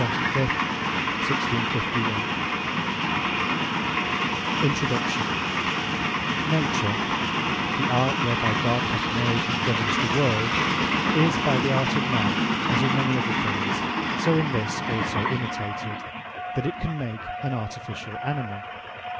A REVIEW AND CONCLUSION THE INTRODUCTION Nature (the art whereby God hath made and governes the world) is by the art of man, as in many other things, so in this also imitated, that it can make an Artificial Animal.